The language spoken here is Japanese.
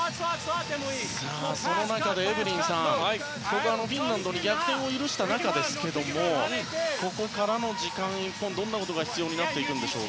その中で、エブリンさんここはフィンランドに逆転を許した中ですがここからの時間、日本にはどんなことが必要ですか？